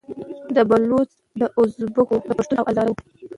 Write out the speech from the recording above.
د بــــلوچـــو، د اُزبـــــــــــــــــکو، د پــــښــــتــــون او هـــــزاره وو